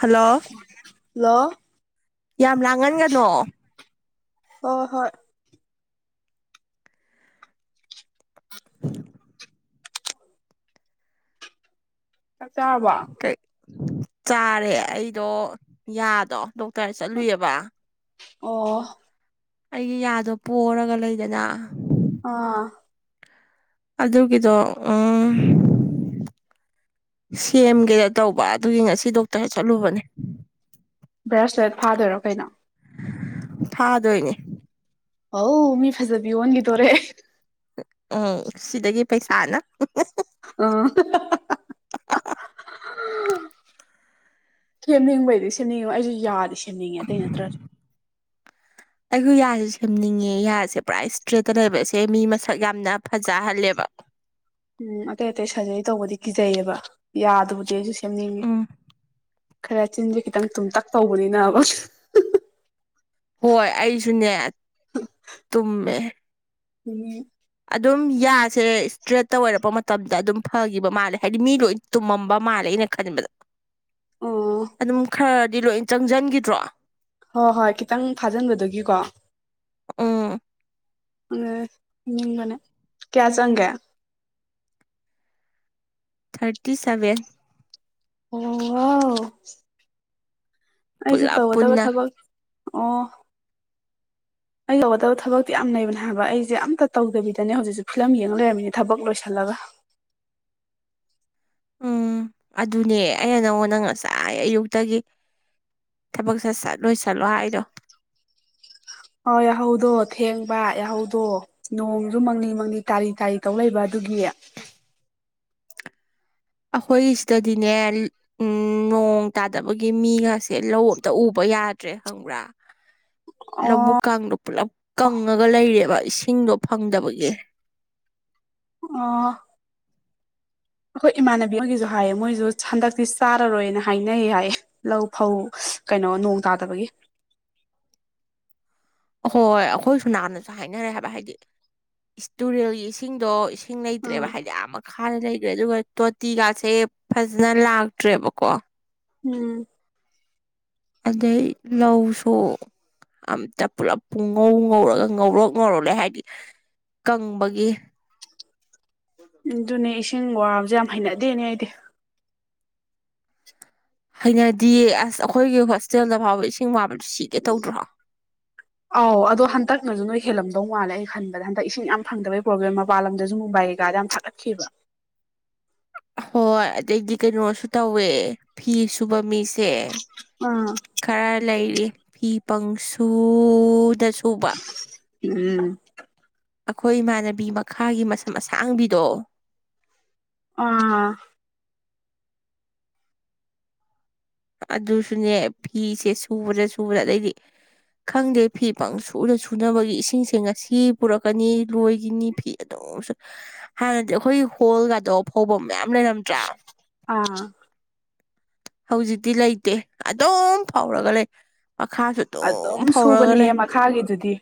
hello ꯂ ꯌꯥꯝ ꯂꯥꯡꯍꯟꯒꯅꯣ ꯍꯣꯏ ꯍꯣꯏ ꯆꯥꯛ ꯆꯥꯔꯕ ꯀꯩ ꯆꯥꯔꯦ ꯑꯩꯗꯣ ꯌꯥꯗꯣ ꯗꯣꯛꯇꯔ ꯆꯠꯂꯨꯏꯑꯕ ꯑꯣ ꯑꯩꯒꯤ ꯌꯥꯗꯣ ꯄꯔꯒ ꯂꯩꯗꯅ ꯑꯥ ꯑꯗꯨꯒꯤꯗꯣ ꯎꯝ ꯁꯦꯝꯒꯦꯅ ꯇꯧꯕ ꯑꯗꯨꯒꯤ ꯉꯁꯤ ꯗꯣꯛꯇꯔ ꯆꯠꯂꯨꯕꯅꯦ ꯕ꯭ꯔꯦꯁꯂꯦꯠ ꯐꯥꯗꯣꯏꯔꯣ ꯀꯩꯅꯣ ꯐꯥꯗꯣꯏꯅꯦ ꯍ ꯃꯤ ꯐꯖꯕꯤ ꯑꯣꯟ ꯂꯤꯗꯣꯔꯦ ꯎꯝ ꯁꯤꯗꯒꯤ ꯄꯩꯁꯥꯅ ꯎꯝ ꯁꯦꯝꯅꯤꯡꯕꯩꯗꯤ ꯁꯦꯝꯅꯤꯡꯉꯕ ꯑꯩꯁꯨ ꯌꯥꯔꯤ ꯆꯅꯤꯡꯉꯦ ꯑꯇꯩ ꯅꯠꯇ꯭ꯔꯥ ꯑꯩꯁꯨ ꯌꯥꯁꯦ ꯁꯦꯝꯅꯤꯡꯉꯦ ꯌꯥꯁꯦ ꯄꯨꯔꯥ ꯏꯁꯇ꯭ꯔꯦꯠꯇ ꯂꯩꯕꯁꯦ ꯃꯤ ꯃꯁꯛ ꯌꯥꯝꯅ ꯐꯖꯍꯜꯂꯦꯕ ꯎꯝ ꯑꯇꯩ ꯑꯇꯩ ꯁꯔꯖꯔꯤ ꯇꯧꯕꯗꯤ ꯀꯤꯖꯩꯑꯕ ꯌꯥꯗꯕꯨꯗꯤ ꯑꯩꯁꯨ ꯁꯦꯝꯅꯤꯡꯏꯤ ꯎꯝ ꯈꯔ ꯆꯤꯟꯁꯦ ꯈꯤꯇꯪ ꯇꯨꯝꯇꯛ ꯇꯧꯕꯅꯤꯅ ꯍꯣꯏ ꯑꯩꯁꯨꯅꯦ ꯇꯨꯝꯃꯦ ꯎꯝ ꯑꯗꯨꯝ ꯌꯥꯁꯦ ꯏꯁꯇ꯭ꯔꯦꯠꯠꯇ ꯑꯣꯏꯔꯛꯄ ꯃꯇꯝꯗ ꯑꯗꯨꯝ ꯐꯒꯤꯈꯤꯕ ꯃꯥꯜꯂꯦ ꯍꯥꯏꯗꯤ ꯃꯤ ꯂꯣꯏ ꯇꯨꯝꯃꯝꯕ ꯃꯥꯜꯂꯦ ꯑꯩꯅ ꯈꯟꯕꯗ ꯑꯣ ꯑꯗꯨꯝ ꯈꯔꯗꯤ ꯂꯣꯏ ꯆꯪꯁꯤꯟꯈꯤꯗ꯭ꯔꯣ ꯍꯣꯏ ꯍꯣꯏ ꯈꯤꯇꯪ ꯐꯥꯖꯤꯟꯕꯗꯒꯤꯀꯣ ꯎꯝ ꯑꯅꯦ ꯀꯌꯥ ꯆꯪꯒꯦ ꯊꯥꯔꯇꯤ ꯁꯚꯦꯟ ꯑꯣ ꯑꯩꯁꯨ ꯄꯨꯂꯞ ꯇꯧꯒꯗꯕ ꯄꯨꯟꯅ ꯊꯕꯛ ꯑꯣ ꯑꯩꯒꯧꯒꯗꯕ ꯊꯕꯛꯇꯤ ꯌꯥꯝ ꯂꯩꯕꯅꯦ ꯍꯥꯏꯕ ꯑꯩꯁꯦ ꯑꯝꯇ ꯇꯧꯗꯕꯤꯗꯅꯦ ꯍꯧꯖꯤꯛꯁꯨ ꯐꯤꯂꯝ ꯌꯦꯡꯉꯒ ꯂꯩꯔꯝꯃꯤꯅ ꯊꯕꯛ ꯂꯣꯏꯁꯤꯜꯂꯒ ꯑꯕ [unintelligible] ꯎꯝ ꯑꯗꯨꯅꯦ ꯑꯩ ꯅꯪꯉꯣꯟꯗꯪ ꯉꯁꯥꯏ ꯑꯌꯨꯛꯇꯒꯤ ꯊꯕꯛꯁꯦ ꯆꯠꯂꯣꯏ ꯆꯠꯂꯣ ꯍꯥꯏꯗꯣ ꯑꯣ ꯌꯥꯍꯧꯗꯣ ꯊꯦꯡꯕ ꯌꯥꯍꯧꯗꯣ ꯅꯣꯡꯁꯨ ꯃꯪꯅꯤ ꯃꯪꯅꯤ ꯇꯥꯔꯤ ꯇꯥꯔꯤ ꯇꯧ ꯂꯩꯕ ꯑꯗꯨ ꯇꯌꯥ [unintelligible] ꯑꯩꯈꯣꯏ ꯁꯤꯗꯗꯤꯅꯦ ꯎ ꯅꯣꯡ ꯇꯥꯗꯕꯒꯤ ꯃꯤꯒꯁꯦ ꯂꯧ ꯑꯇ ꯎꯕ ꯌꯥꯗ꯭ꯔꯦ ꯈꯪꯕ꯭ꯔꯥ ꯑꯣ ꯂꯧꯕꯨꯛ ꯀꯥꯡꯗꯣ ꯄꯨꯜꯂꯞ ꯀꯪꯉꯒ ꯂꯩꯔꯦꯕ ꯏꯁꯤꯡꯗꯣ ꯐꯪꯗꯕꯒꯤ ꯑꯣ ꯑꯩꯈꯣꯏ ꯏꯃꯥꯟꯅꯕꯤ ꯑꯃꯒꯤꯁꯨ ꯍꯥꯏꯌꯦ ꯃꯣꯏꯁꯨ ꯍꯟꯗꯛꯇꯤ ꯆꯥꯔꯔꯣꯏꯅ ꯍꯥꯏꯅꯩ ꯍꯥꯏꯌꯦ ꯂꯧ ꯐꯧ ꯀꯩꯅꯣ ꯅꯣꯡ ꯇꯥꯗꯕꯒꯤ [unintelligible] ꯍꯣꯏ ꯑꯩꯈꯣꯏ ꯁꯣꯝ ꯅꯥꯀꯟꯗꯁꯨ ꯍꯥꯏꯅꯔꯦ ꯍꯥꯏꯕ ꯍꯥꯏꯗꯤ ꯇꯨꯔꯦꯜꯒꯤ ꯏꯁꯤꯡꯗꯣ ꯏꯁꯤꯡ ꯂꯩꯇ꯭ꯔꯦꯕ ꯑꯥ ꯍꯥꯏꯗꯤ ꯑ ꯃꯈꯥꯗ ꯑꯗꯨꯒ ꯇꯣꯇꯤꯒꯥꯁꯦ ꯐꯖꯅ ꯂꯥꯛꯇ꯭ꯔꯦꯕꯀꯣ ꯎꯝ ꯑꯗꯩ ꯂꯧꯁꯨ ꯑꯝꯇ ꯄꯨꯂꯞ ꯄꯨꯡ ꯉꯧ ꯉꯧꯔꯒ ꯉꯧꯔꯣꯛ ꯉꯧꯔ ꯂꯩ ꯍꯥꯏꯗꯤ ꯀꯪꯕꯒꯤ ꯑꯗꯨꯅꯦ ꯏꯁꯤꯡ ꯋꯥꯕꯁꯨꯦ ꯌꯥꯝ ꯍꯩꯅꯗꯦꯅꯦ ꯑꯩꯗꯤ ꯍꯩꯅꯗꯤꯌꯦ ꯑꯁ ꯑꯩꯈꯣꯏꯒꯤ ꯍꯣꯁꯇꯦꯜꯗ ꯐꯥꯎꯕ ꯏꯁꯤꯡ ꯋꯥꯕꯗ ꯁꯤꯒꯦ ꯇꯧꯗ꯭ꯔꯣ ꯑꯥꯎ ꯑꯗꯣ ꯍꯟꯇꯛ ꯅꯁꯨ ꯅꯣꯏ ꯍꯦꯜꯂꯝꯗꯧ ꯃꯥꯜꯂꯦ ꯑꯩ ꯈꯟꯕꯗ ꯍꯟꯗꯛ ꯏꯁꯤꯡ ꯌꯥꯝ ꯐꯪꯗꯕꯩ ꯄ꯭ꯔꯣꯕ꯭ꯂꯦꯝ ꯃꯄꯥꯟ ꯂꯝꯗꯁꯨ ꯃꯨꯝꯕꯥꯏ ꯀꯩꯀꯥꯗ ꯌꯥꯝ ꯊꯥꯒꯠꯈꯤꯕ [unintelligible] ꯍꯣꯏ ꯑꯗꯩꯗꯤ ꯀꯩꯅꯣꯁꯨ ꯇꯧꯋꯦ ꯐꯤ ꯁꯨꯕ ꯃꯤꯁꯦ ꯑꯥ ꯈꯔ ꯂꯩꯔꯤ ꯐꯤ ꯄꯪꯁꯨꯗꯁꯨ ꯁꯨꯕ ꯎꯝ ꯑꯩꯈꯣꯏ ꯏꯃꯥꯟꯅꯕꯤ ꯃꯈꯥꯒꯤ ꯃꯁꯝ ꯑꯁꯥꯡꯕꯤꯗꯣ ꯑ ꯑꯗꯨꯁꯨꯅꯦ ꯐꯤꯁꯦ ꯁꯨꯕꯗꯥ ꯁꯨꯕꯗ ꯑꯗꯩꯗꯤ ꯈꯪꯗꯦ ꯐꯤ ꯄꯪ ꯁꯨꯅ ꯁꯨꯅꯕꯒꯤ ꯏꯁꯤꯡꯁꯦ ꯉꯁꯤ ꯄꯨꯔꯛꯀꯅꯤ ꯂꯣꯏꯈꯤꯅꯤ ꯐꯤ ꯑꯗꯨꯝ ꯍꯥꯟꯅꯗꯤ ꯑꯩꯈꯣꯏ ꯍꯣꯜꯒꯗꯣ ꯐꯧꯕꯝ ꯃꯌꯥꯝ ꯂꯩꯔꯝꯗ꯭ꯔ ꯑꯥ ꯍꯧꯖꯤꯛꯇꯤ ꯂꯩꯇꯦ ꯑꯗꯨꯝ ꯐꯥꯎꯔꯒ ꯂꯩ ꯃꯈꯥꯁꯨ ꯑꯗꯨꯝ ꯐꯧꯔꯒ ꯁꯨꯕꯅꯦꯍꯦ ꯂꯩ ꯃꯈꯥꯒꯤꯗꯨꯗꯤ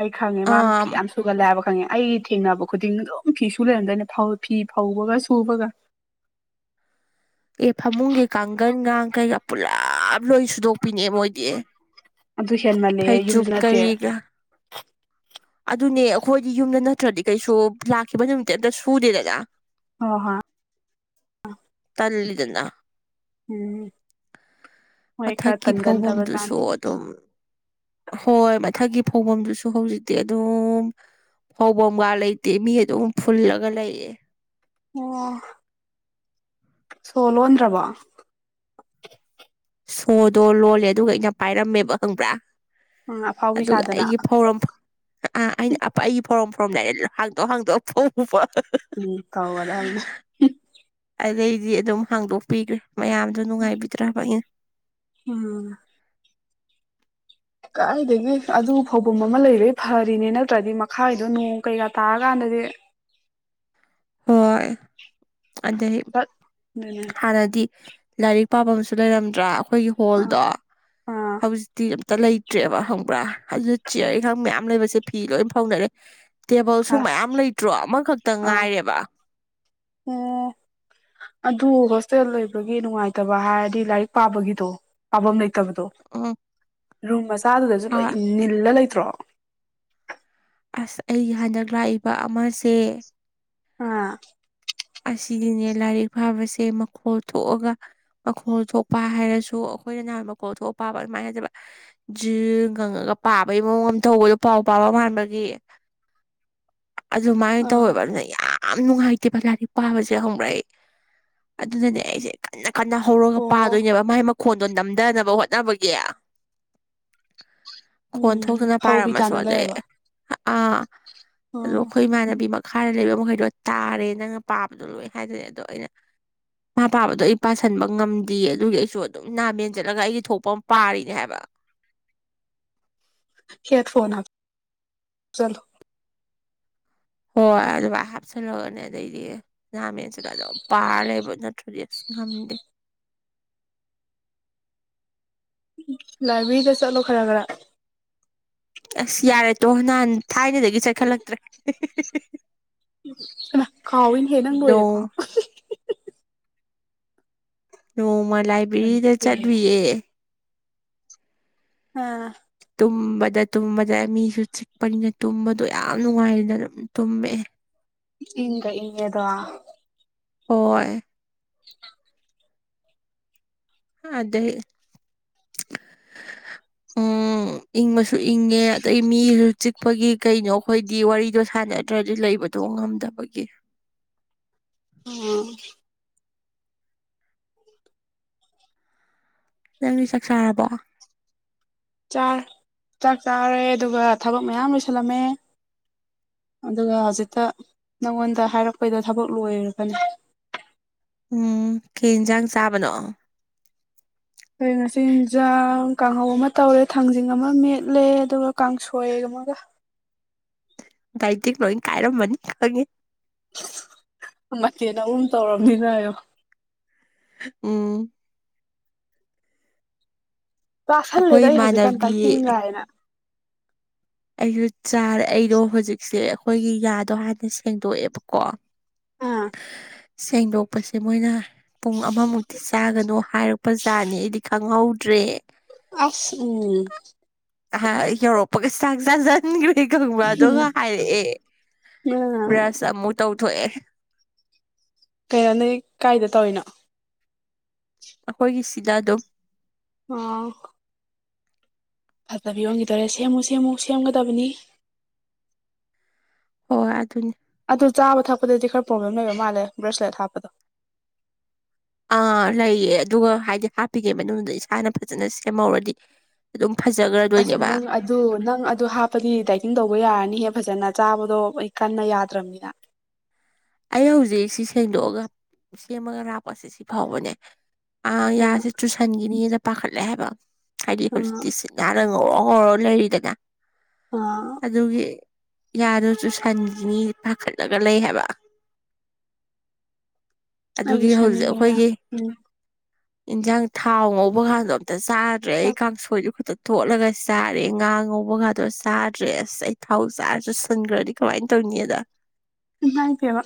ꯑꯩ ꯈꯪꯉꯦ ꯃꯥ ꯑꯥ ꯐꯤ ꯌꯥꯝ ꯁꯨꯒꯜꯂꯦ ꯍꯥꯏꯕ ꯈꯪꯉꯦ ꯑꯩꯒꯤ ꯊꯦꯡꯅꯕ ꯈꯨꯗꯤꯡ ꯑꯗꯨꯝ ꯐꯤꯁꯨ ꯂꯩꯔꯝꯗ ꯑꯩꯅ ꯐꯤ ꯐꯧꯕꯒ ꯁꯨꯕꯒ ꯑꯦ ꯐꯃꯨꯡꯒꯤ ꯀꯥꯡꯒꯟꯒ ꯀꯩꯀ ꯄꯨꯂꯞ ꯂꯣꯏ ꯁꯨꯗꯣꯛꯄꯤꯅꯦ ꯃꯣꯏꯗꯤ ꯑꯗꯨ ꯍꯦꯟꯃꯜꯂꯦꯍꯦ ꯐꯩꯖꯨꯞ ꯌꯨꯝꯁꯨ ꯅꯠꯇꯦ ꯍꯣꯏ ꯀꯔꯤꯒ ꯑꯗꯨꯅꯦ ꯑꯩꯈꯣꯏꯗꯤ ꯌꯨꯝꯗ ꯅꯠꯇ꯭ꯔꯗꯤ ꯀꯩꯁꯨ ꯂꯥꯛꯈꯤꯕ ꯅꯨꯃꯤꯠꯇ ꯑꯝꯇ ꯁꯨꯗꯦꯗꯅ ꯍ ꯍꯣꯏ ꯇꯜꯂꯤꯗꯅ ꯎꯝ ꯃꯣꯏ ꯈꯔ ꯃꯊꯛꯀꯤ ꯇꯟꯒꯟꯗꯕꯖꯥꯠꯅꯤ ꯐꯥꯎꯐꯝꯗꯨꯁꯨ ꯑꯗꯨꯝ ꯍꯣꯏ ꯃꯊꯛꯀꯤ ꯐꯧꯐꯝꯗꯨꯁꯨ ꯍꯧꯖꯤꯛꯇꯤ ꯑꯗꯨꯝ ꯐꯧꯕꯝꯒꯥ ꯂꯩꯇꯦ ꯃꯤ ꯑꯗꯨꯝ ꯐꯨꯜꯂꯒ ꯂꯩꯑꯦ ꯑꯣ ꯁꯣ ꯂꯣꯟꯗ꯭ꯔꯕꯣ ꯁꯣꯗꯣ ꯂꯣꯜꯂꯦ ꯑꯗꯨꯒ ꯑꯩꯅ ꯄꯥꯏꯔꯝꯃꯦꯕ ꯈꯪꯕ꯭ꯔꯥ ꯎꯝ ꯑꯐꯥꯎꯕꯤ ꯑꯗꯨꯒ ꯁꯥꯗꯅ ꯑꯩꯒꯤ ꯐꯧꯔꯝ ꯑꯩꯅ ꯑꯩꯒꯤ ꯐꯧꯔꯝ ꯐꯧꯔꯝꯗꯥꯏꯗ ꯍꯥꯡꯗꯣꯛ ꯍꯥꯡꯗꯣꯛ ꯐꯧꯕ ꯎꯝ ꯇꯧꯒꯗꯝꯅꯤ ꯑꯗꯩꯗꯤ ꯑꯗꯨꯝ ꯍꯥꯡꯗꯣꯛꯄꯤꯈ꯭ꯔꯦ ꯃꯌꯥꯝꯗꯣ ꯅꯨꯡꯉꯥꯏꯕꯤꯗ꯭ꯔꯕ ꯑꯩꯅ ꯎꯝ ꯀꯥꯏꯗꯒꯤ ꯑꯗꯨ ꯐꯧꯐꯝ ꯑꯃ ꯂꯩꯕꯩ ꯐꯔꯤꯅꯦ ꯅꯠꯇ꯭ꯔꯗꯤ ꯃꯈꯥꯏꯗꯣ ꯅꯣꯡ ꯀꯩꯀꯥ ꯇꯥꯔꯀꯥꯟꯗ ꯑ ꯍꯣꯏ ꯑꯗꯩ ꯆꯠ ꯑꯗꯨꯅꯦ ꯍꯥꯟꯅꯗꯤ ꯂꯥꯏꯔꯤꯛ ꯄꯥꯐꯝ ꯑꯃꯁꯨ ꯂꯩꯔꯝꯗ꯭ꯔꯥ ꯑꯩꯈꯣꯏꯒꯤ ꯑꯥ ꯍꯣꯜꯗꯣ ꯑꯥ ꯍꯧꯖꯤꯛꯇꯤ ꯂꯩꯇ꯭ꯔꯦꯕ ꯈꯪꯕ꯭ꯔꯥ ꯑꯗꯨꯗ ꯆꯤꯌꯔ ꯏꯪꯈꯥꯡ ꯃꯌꯥꯝ ꯂꯩꯕꯁꯦ ꯐꯤ ꯂꯣꯏ ꯐꯥꯎꯅꯔꯦ ꯇꯦꯕꯜꯁꯨ ꯑꯁ ꯃꯌꯥꯝ ꯂꯩꯇ꯭ꯔꯣ ꯑꯃꯈꯛꯇ ꯑꯥ ꯉꯥꯏꯔꯦꯕ ꯑꯣ ꯑꯗ ꯍꯣꯇꯦꯜ ꯂꯕꯒꯤ ꯅꯨꯡꯉꯥꯏꯇꯕ ꯍꯥꯏꯔꯗꯤ ꯂꯥꯏꯔꯤꯛ ꯄꯥꯕꯒꯤꯗꯣ ꯄꯥꯐꯝ ꯂꯩꯇꯕꯗꯣ ꯎꯝ ꯔꯨꯝ ꯃꯆꯥꯗꯨꯗꯁꯨ ꯂꯣꯏ ꯍꯣꯏ ꯏ ꯅꯤꯜꯂ ꯂꯩꯇ꯭ꯔꯣ ꯑꯁ ꯑꯩꯒꯤ ꯍꯟꯗꯛ ꯂꯥꯛꯏꯕ ꯑꯃꯁꯦ ꯑꯥ ꯁꯤꯒꯤꯅꯦ ꯂꯥꯏꯔꯤꯛ ꯐꯥꯕꯁꯦ ꯃꯈꯣꯜ ꯊꯣꯛꯑꯒ ꯃꯈꯣꯜ ꯊꯣꯛꯄ ꯍꯥꯏꯔꯁꯨ ꯑꯩꯈꯣꯏꯅ ꯅꯍꯥꯟ ꯃꯈꯣꯜ ꯊꯣꯛꯄꯕ ꯑꯗꯨꯃꯥꯏꯅ ꯍꯥꯏꯖꯕ ꯖꯤꯔ ꯉꯪꯉꯒ ꯄꯥꯕꯒꯤ ꯃꯑꯣꯡ ꯑꯃ ꯊꯧꯕꯗꯣ ꯄꯥꯎ ꯄꯥꯕ ꯃꯥꯟꯕꯒꯤ ꯑꯗꯨꯃꯥꯏꯅ ꯑꯥ ꯇꯧꯋꯦꯕ ꯑꯗꯨꯅ ꯌꯥꯝ ꯅꯨꯡꯉꯥꯏꯇꯦꯕ ꯂꯥꯏꯔꯤꯛ ꯄꯥꯕꯁꯦ ꯍꯧꯪꯕꯛꯏ ꯑꯗꯨꯅꯅꯦ ꯑꯩꯁꯦ ꯀꯟꯅ ꯀꯟꯅ ꯍꯧꯔꯒ ꯑꯣ ꯄꯥꯗꯣꯏꯅꯦꯕ ꯃꯥꯏ ꯃꯈꯣꯟ ꯑꯗꯣ ꯅꯝꯊꯅꯕ ꯍꯣꯠꯅꯕꯒꯤ ꯈꯣꯟ ꯎꯝ ꯊꯣꯛꯇꯅ ꯍꯧꯕꯤ ꯄꯥꯏꯔꯝꯃꯁꯨ ꯇꯥꯅ ꯑꯗꯩ ꯂꯩꯔꯕ ꯑꯥ ꯑꯗꯣ ꯑꯥ ꯑꯩꯈꯣꯏ ꯏꯃꯥꯟꯅꯕꯤ ꯃꯈꯥꯗ ꯂꯩꯕ ꯃꯈꯩꯗꯣ ꯇꯥꯔꯦ ꯅꯪ ꯄꯥꯕꯗꯣ ꯂꯣꯏ ꯍꯥꯏꯗꯅ ꯑꯗꯣ ꯑꯩꯅ ꯏꯃꯥ ꯄꯥꯕꯗꯣ ꯑꯩ ꯄꯥꯁꯟꯕ ꯉꯝꯗꯦ ꯑꯗꯨꯒꯤ ꯑꯩꯁꯨ ꯑꯗꯨꯝ ꯅꯥ ꯃꯦꯟ ꯆꯠꯂꯒ ꯑꯩꯗꯤ ꯊꯣꯛꯄ ꯑꯃ ꯄꯥꯔꯤꯅꯦ ꯍꯥꯏꯕ [inaudible] ꯍꯦꯗ ꯐꯣꯟ ꯆꯂꯣ ꯍꯣꯏ ꯑꯗꯨ ꯍꯥꯞꯆꯜꯂꯒꯅꯦ ꯑꯗꯩꯗꯤ ꯉꯥꯃꯦꯟꯁꯤꯗ ꯑꯗꯨꯝ ꯄꯥꯔ ꯂꯩꯕ ꯅꯠꯇ ꯁ ꯉꯗꯦ ꯂꯥꯏꯕ꯭ꯔꯦꯔꯤꯗ ꯆꯠꯂꯣ ꯈꯔ ꯈꯔ ꯑꯁ ꯌꯥꯔꯦꯠꯇꯣ ꯅꯍꯥꯟ ꯊꯥꯏꯅꯗꯒꯤ ꯆꯠꯈꯠꯂꯛꯇ꯭ꯔꯦ ꯀ ꯀꯥꯎꯋꯅꯍꯦ ꯅꯪ ꯂꯣꯏꯔꯦꯀꯣ ꯅꯣꯡ ꯅꯣꯡꯃ ꯑꯩ ꯂꯥꯏꯕ꯭ꯔꯦꯔꯤꯗ ꯄꯦꯔꯦ ꯆꯠꯂꯨꯌꯦ ꯑꯥ ꯇꯨꯝꯕꯗ ꯇꯨꯝꯕꯗ ꯃꯤꯁꯨ ꯆꯤꯛꯄꯅꯤꯅ ꯇꯨꯝꯕꯗꯣ ꯌꯥꯝ ꯅꯨꯡꯉꯥꯏꯔꯅ ꯑꯗꯨꯝ ꯇꯨꯝꯃꯦ ꯏꯪ ꯏꯉꯦꯗꯣ ꯍꯣꯏ ꯗ ꯎꯝ ꯏꯪꯕꯁꯨ ꯏꯪꯉꯦ ꯑꯗꯗꯒꯤ ꯃꯤꯁꯨ ꯆꯤꯛꯄꯒꯤ ꯀꯩꯅꯣ ꯑꯩꯈꯣꯏꯗꯤ ꯋꯥꯔꯤꯗꯣ ꯁꯥꯟ ꯅꯠꯇ꯭ꯔꯗꯤ ꯂꯩꯕꯗꯣ ꯉꯝꯗꯕꯒꯤ ꯎꯝ ꯅꯪꯗꯤ ꯆꯥꯛ ꯆꯥꯔꯕꯣ ꯆꯥꯛ ꯆꯥꯔꯦ ꯑꯗꯨꯒ ꯊꯕꯛ ꯃꯌꯥꯝ ꯂꯣꯏꯁꯜꯂꯝꯃꯦ ꯑꯗꯨꯒ ꯍꯧꯖꯤꯛꯇ ꯅꯪꯉꯣꯟꯗ ꯍꯥꯏꯔꯛꯄꯩꯗ ꯊꯕꯛ ꯂꯣꯏꯔꯒꯅꯤ ꯎꯝ ꯀꯦ ꯌꯦꯟꯁꯥꯡ ꯆꯥꯕꯅꯣ ꯑꯩꯈꯣꯏ ꯉꯆꯤꯟꯤꯟꯖꯥꯡ ꯀꯥꯡꯍꯧ ꯑꯃ ꯇꯧꯔꯦ ꯊꯥꯡꯖꯤꯡ ꯑꯃ ꯃꯦꯠꯂꯦ ꯑꯗꯨꯒ ꯀꯥꯡꯁꯣꯏ ꯊꯃꯒ ꯗꯥꯏꯇꯛ ꯂꯣꯏ ꯀꯥꯏꯔꯝꯃꯅꯤ ꯈꯪꯉꯦ ꯃꯦꯅ ꯑꯗꯨꯝ ꯇꯧꯔꯝꯃꯤꯅꯣ ꯎꯝ ꯇꯥꯁꯜꯂꯦꯗ ꯑꯩꯈꯣꯏ ꯑꯩ ꯍꯧꯖꯤꯛꯀꯥꯟ ꯏꯃꯥꯟꯅꯕꯤ ꯇꯥꯏꯀꯤꯒ ꯍꯥꯏꯅ ꯑꯩꯁꯨ ꯆꯥꯔꯦ ꯑꯩꯗꯣ ꯍꯧꯖꯤꯛꯁꯦ ꯑꯩꯈꯣꯏꯒꯤ ꯌꯥꯗꯣ ꯍꯥꯟꯅ ꯁꯦꯡꯗꯣꯛꯑꯦꯕꯀꯣ ꯑꯥ ꯁꯦꯡꯗꯣꯛꯄꯁꯦ ꯃꯣꯏꯅ ꯄꯨꯡ ꯑꯃꯃꯨꯛꯇꯤ ꯆꯥꯒꯅꯨ ꯍꯥꯏꯔꯛꯄ ꯖꯥꯠꯅꯤ ꯑꯩꯗꯤ ꯈꯪꯍꯧꯗ꯭ꯔꯦ ꯑꯁ ꯎ ꯑ ꯌꯧꯔꯄꯒ ꯆꯖꯥꯖꯅꯤꯡ ꯍ ꯈꯪꯕꯗ ꯎꯝ ꯍꯥꯏꯔꯛꯑꯦ ꯕ꯭ꯔꯁ ꯑꯃꯨꯛ ꯇꯧ ꯊꯣꯏꯋ ꯀꯩꯅꯣ ꯅ ꯀꯥꯏꯗ ꯇꯧꯔꯤꯅꯣ ꯑꯩꯈꯣꯏꯒꯤ ꯁꯤꯗꯗꯣ ꯑꯣ ꯐꯠꯇꯕꯤ ꯌꯣꯟꯈꯤꯗꯣꯔꯦ ꯁꯦꯝꯃꯨ ꯁꯦꯝꯃꯨ ꯁꯦꯝꯒꯗꯕꯅꯤ ꯍꯣꯏ ꯑꯗꯨ ꯑꯗꯨꯅꯤ ꯑꯗꯨ ꯆꯥꯕ ꯊꯛꯄꯗꯗꯤ ꯈꯔ ꯄ꯭ꯔꯣꯕ꯭ꯂꯦꯝ ꯂꯩꯕ ꯃꯥꯜꯂꯦ ꯕ꯭ꯔꯦꯁꯂꯦꯠ ꯍꯥꯞꯄꯗꯣ ꯑꯥ ꯂꯩꯌꯦ ꯑꯗꯨꯒ ꯍꯥꯏꯗꯤ ꯍꯥꯞꯄꯤꯒꯦ ꯃꯅꯨꯡꯗꯨꯗ ꯏꯁꯥꯅ ꯐꯖꯅ ꯁꯦꯝꯍꯧꯔꯗꯤ ꯑꯗꯨꯝ ꯑꯁ ꯐꯖꯈ꯭ꯔꯗꯣꯏꯅꯦꯕ ꯅꯪ ꯑꯗꯨ ꯅꯪ ꯑꯗꯨ ꯍꯥꯞꯄꯒꯤꯅꯦꯗꯥ ꯏꯤꯡ ꯇꯧꯕ ꯌꯥꯔꯅꯤꯍꯦ ꯐꯖꯅ ꯆꯥꯕꯗꯣ ꯑꯩ ꯀꯟꯅ ꯌꯥꯗ꯭ꯔꯕꯅꯤꯅ ꯑꯩ ꯍꯧꯖꯤꯛ ꯁꯤ ꯁꯦꯡꯗꯣꯛꯑꯒ ꯁꯦꯝꯃꯒ ꯂꯥꯛꯄꯁꯦ ꯁꯤ ꯐꯥꯎꯕꯅꯦ ꯑ ꯎꯝ ꯌꯥꯁꯦ ꯆꯨꯁꯟꯒꯤꯅꯤꯅ ꯄꯥꯈꯠꯂꯦ ꯍꯥꯏꯕ ꯍꯥꯏꯗꯤ ꯍꯧꯖꯤꯛꯇꯤ ꯁꯤ ꯉꯔ ꯍꯧꯧꯔꯣ ꯍꯧꯔꯣ ꯂꯩꯔꯤꯗꯅ ꯎꯝ ꯑꯗꯨꯒꯤ ꯌꯥꯗꯁꯨ ꯁꯟꯒꯤꯅꯤ ꯄꯥꯈꯠꯂꯒ ꯂꯩ ꯍꯥꯏꯕ ꯑꯗꯨꯒꯤ ꯑꯩꯁꯨ ꯍꯧꯖꯤꯛ ꯁꯦꯝꯅꯤꯡꯉꯦ ꯌꯥꯝ ꯑꯩꯈꯣꯏꯒꯤ ꯎꯝ ꯌꯦꯟꯁꯥꯡ ꯊꯥꯎ ꯉꯧꯕ ꯀꯥꯟꯗ ꯑꯝꯇ ꯆꯥꯗ꯭ꯔꯦ ꯑꯩ ꯀꯥꯡꯁꯣꯏꯁꯨ ꯈꯨꯇ ꯊꯣꯠꯂꯒ ꯆꯥꯔꯦ ꯉꯥ ꯉꯧꯕ ꯉꯇ ꯆꯥꯗ꯭ꯔꯦ ꯑꯁ ꯑꯩ ꯊꯥꯎ ꯆꯥꯔꯁꯨ ꯁꯟꯈ꯭ꯔꯗꯤ ꯀꯃꯥꯏꯅ ꯇꯧꯏ ꯗ ꯉꯥꯏ ꯀꯦꯕ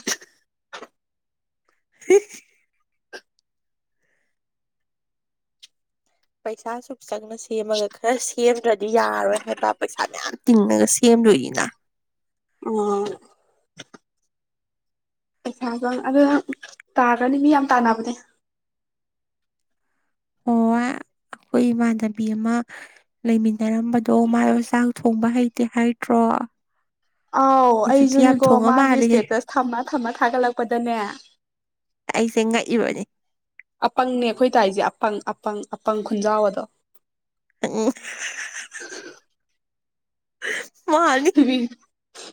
[inaudible] [unintelligible] ꯄꯩꯁꯥ ꯁꯁꯨꯨꯞ ꯆꯪꯅꯁꯤ ꯃꯒ ꯈꯔꯁꯤ ꯁꯦꯝꯗ꯭ꯔꯗꯤ ꯌꯥꯔꯔꯣꯏ ꯍꯥꯏꯕ ꯄꯩꯁꯥ ꯃꯌꯥꯝ ꯇꯤꯡꯉꯒ ꯁꯦꯝꯗꯣꯏꯅꯤꯅ ꯎꯝ ꯄꯩꯁꯥꯕ ꯑꯗ ꯇꯥꯔ꯭ꯔꯅꯤ ꯃꯤ ꯌꯥꯝ ꯇꯥꯟꯅꯕꯅꯦ ꯑꯣ ꯑꯩꯈꯣꯏ ꯏꯃꯥꯟꯅꯕꯤ ꯑꯃ ꯂꯩꯃꯤꯟꯅꯔꯝꯕꯗꯣ ꯃꯥꯏ ꯆꯥꯛ ꯊꯣꯡꯕ ꯍꯩꯇꯦ ꯍꯥꯏꯇ꯭ꯔꯣ ꯋꯥ ꯑꯥꯎ ꯑꯩꯁꯨꯅꯦꯀꯣ ꯃꯥꯒꯤ ꯃꯥꯜꯂꯦꯍꯦ ꯏꯁꯇꯦꯇꯁ ꯊꯝꯃ ꯊꯝꯃ ꯊꯥꯒꯠꯂꯛꯄꯗꯅꯦ ꯑꯩꯁꯦꯡꯉꯥꯏ ꯏꯕꯅꯤ ꯑꯄꯪꯅꯦ ꯑꯩꯈꯣꯏ ꯇꯥꯏꯔꯤꯁꯦ ꯑꯄꯪ ꯑꯄꯪ ꯑꯄꯪ ꯈꯨꯟꯖꯥꯎ ꯑꯗꯣ ꯎ ꯎ ꯃꯥꯅꯤ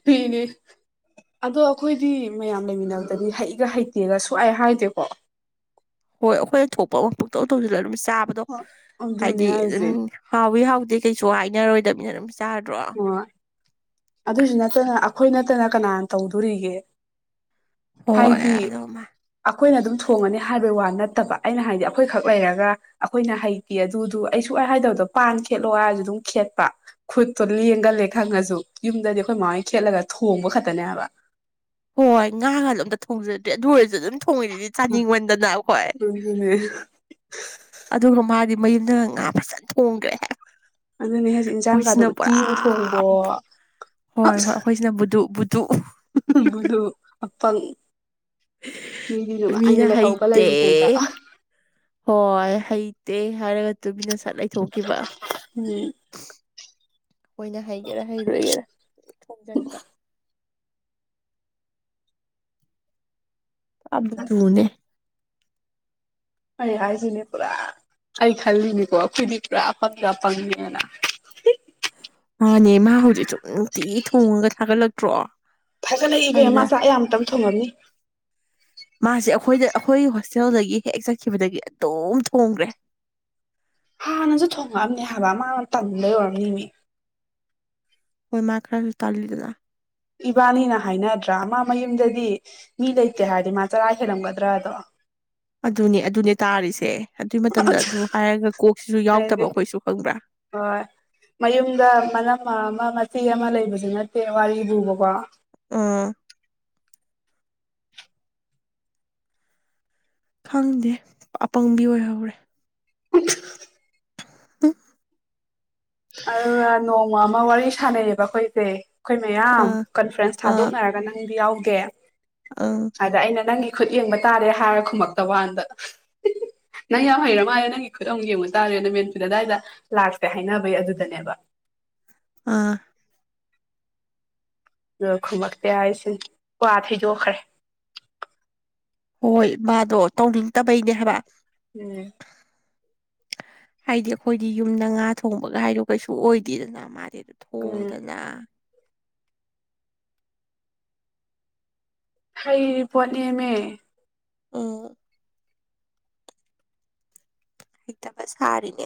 ꯐꯅꯦ ꯑꯗꯣ ꯑꯩꯈꯣꯏꯗꯤ ꯃꯌꯥꯝ ꯂꯩꯃꯤꯟꯅꯕꯗꯗꯤ ꯍꯩꯒ ꯍꯩꯇꯦꯒ ꯁꯨꯥꯏ ꯍꯥꯏꯗꯦꯀꯣ ꯍꯣꯏ ꯑꯩꯈꯣꯏꯅ ꯊꯣꯛꯄ ꯑꯃ ꯄꯣꯛꯇꯧ ꯇꯧꯁꯤꯂ ꯑꯗꯨꯝ ꯆꯥꯕꯗꯣ ꯍꯣꯏ ꯑꯗꯨꯅꯦ ꯍꯥꯏꯗꯤ ꯑꯗꯨꯝ ꯍꯥꯏꯖꯦ ꯍꯥꯎꯋꯤ ꯍꯥꯎꯏ ꯀꯩꯁꯨ ꯍꯥꯏꯅꯔꯣꯏꯗꯕꯅꯤꯅꯝ ꯑꯣ ꯑꯗꯨꯁꯨ ꯅꯠꯇꯅ ꯑꯩꯈꯣꯏ ꯅꯠꯇꯅ ꯀꯅꯥꯅ ꯇꯧꯗꯣꯔꯤꯒꯦ ꯍꯣꯏ ꯍꯥꯏꯗꯤ ꯑꯗꯣ ꯃꯥ ꯑꯩꯈꯣꯏꯅ ꯑꯗꯨꯝ ꯊꯣꯡꯉꯅꯤ ꯍꯥꯏꯕꯩ ꯋꯥ ꯅꯠꯇꯕ ꯑꯩꯅ ꯍꯥꯏꯗꯤ ꯑꯩꯈꯣꯏꯈꯛ ꯂꯩꯔꯒ ꯑꯩꯈꯣꯏꯅ ꯍꯩꯇꯦ ꯑꯗꯨꯗꯨ ꯑꯩꯁꯨ ꯄꯥꯏ ꯍꯥꯏꯗꯕꯗꯣ ꯄꯥꯟ ꯈꯦꯠꯂꯣ ꯍꯥꯏꯔꯁꯨ ꯑꯗꯨꯝ ꯈꯦꯠꯄ ꯈꯨꯠ ꯂꯦꯡꯒꯜꯂꯦ ꯈꯪꯉꯁꯨ ꯌꯨꯝꯗꯗꯤ ꯑꯩꯈꯣꯏ ꯃꯃꯥꯏꯒꯤ ꯈꯦꯠꯂꯒ ꯊꯣꯡꯕ ꯈꯛꯇꯅꯦ ꯍꯥꯏꯕ ꯍꯣꯏ ꯉꯥꯒ ꯑꯗꯨꯣ ꯑꯝꯇ ꯊꯣꯡꯖꯗ꯭ꯔꯦ ꯑꯗꯨ ꯑꯣꯏꯔꯁꯨ ꯑꯗꯨꯝ ꯊꯣꯡꯉꯤꯗꯨꯗꯤ ꯆꯥꯅꯤꯡꯃꯟꯗꯅ ꯑꯩꯈꯣꯏ ꯑꯗꯨꯅꯦ ꯑꯗꯨꯒ ꯃꯥꯗꯤ ꯃꯌꯨꯝꯗ ꯉꯥ ꯐꯖꯅ ꯊꯣꯡꯈ꯭ꯔꯦ ꯑꯗꯨꯅꯦ ꯍꯧꯖꯤꯛ ꯏꯟꯁꯥꯡ ꯀꯗꯣ ꯑꯩꯈꯣꯏꯁꯤꯅ ꯎꯠꯇꯤ ꯎ ꯄꯨꯔꯥ ꯊꯣꯡꯕꯣ ꯍꯣꯏ ꯍꯣꯏ ꯑꯩꯈꯣꯏꯁꯤꯅ ꯕꯨꯗꯨ ꯕꯨꯗꯨ ꯎꯗꯨ ꯑꯄꯥ ꯃꯤꯅ ꯂꯩꯍꯧꯕ ꯍꯩꯇꯦ ꯂꯩꯔꯤꯉꯩꯗ ꯍꯣꯏ ꯍꯩ ꯇꯦ ꯍꯥꯏꯔꯒ ꯇꯨꯕꯤꯅ ꯁꯠ ꯂꯩꯊꯣꯛꯈꯤꯕ ꯎꯝ ꯑꯩꯈꯣꯏꯅ ꯍꯩꯒꯦꯔꯥ ꯍꯩꯔꯣꯏꯒꯦꯔꯥ ꯊꯣꯡꯖꯤꯟꯕ ꯑꯕꯗꯨꯅꯦ ꯑꯩ ꯍꯥꯏꯁꯤꯅꯦ ꯄꯨꯔꯥ ꯑꯩ ꯈꯜꯂꯤꯅꯤꯀꯣ ꯑꯩꯈꯣꯏꯗꯤ ꯄꯨꯔꯥ ꯑꯐꯪꯗ ꯑ ꯄꯪꯉꯦꯅ ꯃꯥꯥꯟꯅꯦ ꯃꯥ ꯍꯧꯖꯤꯛ ꯁꯨꯡꯅꯨꯡꯇꯤ ꯊꯣꯡꯉꯒ ꯊꯥꯒꯠꯂꯛꯇ꯭ꯔꯣ ꯐꯖꯅ ꯑꯗꯨꯗ ꯏꯕꯃꯆꯥꯥꯛ ꯑꯌꯥꯝꯛꯇꯪ ꯊꯣꯡꯉꯝꯅꯤ ꯃꯥꯁꯦ ꯑꯩꯈꯣꯏꯗ ꯑꯩꯈꯣꯏ ꯍꯣꯁꯇꯦꯜꯗꯒꯤ ꯍꯦꯛ ꯆꯠꯈꯤꯕꯗꯒꯤ ꯑꯗꯨꯝ ꯊꯣꯡꯈ꯭ꯔꯦ ꯍꯥꯟꯅꯁꯨ ꯊꯣꯡꯉꯛꯑꯝꯅꯦ ꯍꯥꯏꯕ ꯑꯃ ꯇꯟꯗ ꯌꯧꯔꯝꯅꯤꯅꯦ ꯍꯣꯏ ꯃꯥ ꯈꯔꯁꯨ ꯇꯂꯤꯗꯅ ꯏꯕꯥꯅꯤꯅ ꯍꯥꯏꯅꯗ꯭ꯔꯦ ꯠꯇ꯭ꯔ ꯃꯥ ꯃꯌꯨꯝꯗꯗꯤ ꯃꯤ ꯂꯩꯇꯦ ꯍꯥꯏꯔꯗꯤ ꯃꯥ ꯆꯔꯥ ꯍꯦꯜꯂꯝꯒꯗ꯭ꯔꯥ ꯑꯗꯣ ꯑꯗꯨꯅꯦ ꯑꯗꯨꯅꯦ ꯇꯥꯔꯤꯁꯦ ꯑꯗꯨꯏ ꯃꯇꯝꯗ ꯑꯗꯨ ꯍꯥꯏꯔꯒ ꯀꯣꯛꯁꯤꯁꯨ ꯌꯥꯎꯗꯕ ꯑꯩꯗꯤ ꯑꯩꯈꯣꯏꯁꯨ ꯐꯪꯕ꯭ꯔꯥ ꯍꯣꯏ ꯃꯌꯨꯝꯗ ꯃꯅꯝ ꯑꯃ ꯃꯆꯤ ꯑꯃ ꯂꯩꯕꯁꯨ ꯅꯠꯇꯦ ꯋꯥꯔꯤꯕ ꯄꯨꯨꯕꯀꯣ ꯑꯥ ꯈꯪꯗꯦ ꯑꯄꯪꯕꯤ ꯑꯣꯏꯍꯧꯔꯦ [unintelligible] [inaudible] ꯎꯝ ꯑꯗꯨꯒ ꯅꯣꯡꯃ ꯑꯃ ꯋꯥꯔꯤ ꯁꯥꯟꯅꯩꯌꯦꯕ ꯑꯩꯈꯣꯏꯁꯦꯒꯩ ꯑꯩꯈꯣꯏ ꯃꯌꯥꯝ ꯑꯥ ꯀꯟꯐ꯭ꯔꯦꯟꯁ ꯑꯥ ꯊꯥꯗꯣꯛꯅꯔꯒ ꯅꯪꯗꯤ ꯌꯥꯎꯗꯦ ꯑꯥ ꯑꯗ ꯑꯩꯅ ꯅꯪꯒꯤ ꯈꯨꯠ ꯌꯦꯡꯕ ꯇꯥꯔꯦ ꯍꯥꯏꯔ ꯈꯨꯃꯛꯇ ꯋꯥꯥꯟꯗ ꯅꯪ ꯌꯥꯝ ꯍꯩꯔ ꯃꯥꯜꯂꯦ ꯅꯪꯒꯤ ꯈꯨꯠ ꯑꯃꯨꯛ ꯌꯦꯡꯕ ꯆꯥꯔꯦꯅ ꯃꯦꯟꯐꯨꯗ ꯑꯗꯥꯏꯗ ꯂꯥꯛꯀꯦ ꯍꯥꯏꯅꯕ ꯍꯣꯏ ꯑꯗꯨꯗꯅꯦꯕ ꯑꯥ ꯑ ꯈꯨꯃꯛꯇꯦ ꯍꯥꯏꯁꯦ ꯋꯥ ꯊꯩꯗꯣꯛꯈ꯭ꯔꯦ ꯍꯣꯏ ꯃꯥꯗꯣ ꯇꯧꯅꯤꯡꯇꯕꯩꯅꯦ ꯍꯥꯏꯕ ꯎꯝ ꯍꯥꯏꯗꯤ ꯑꯩꯈꯣꯏꯗꯤ ꯌꯨꯝꯗ ꯉꯥ ꯊꯣꯡꯕꯒ ꯍꯥꯏꯗꯣ ꯀꯩꯁꯨ ꯑꯣꯏꯗꯦꯗꯅ ꯃꯥꯗꯤ ꯎꯝ ꯊꯣꯡꯗꯅ ꯍꯩꯔꯤ ꯄꯣꯠꯅꯦꯝꯃꯦ ꯑꯝ ꯍꯩꯇꯕ ꯁꯥꯔꯤꯅꯦ